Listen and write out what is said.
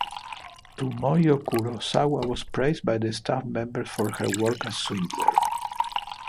Tomoyo Kurosawa was praised by the staff members for her work as Swindler.